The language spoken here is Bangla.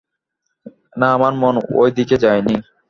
না, আমার মন ও দিকেই যায় নি।